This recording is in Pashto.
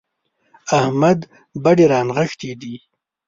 احمد بډې رانغښتې دي.